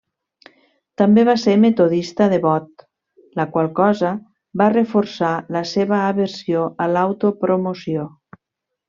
També va ser metodista devot, la qual cosa va reforçar la seva aversió a l'autopromoció.